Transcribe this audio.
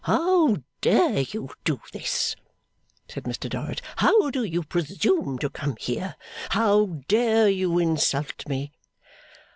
'How dare you do this?' said Mr Dorrit. 'How do you presume to come here? How dare you insult me?